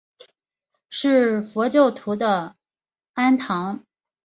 是佛教徒的庵堂。